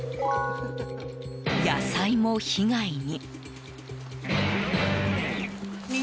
野菜も被害に。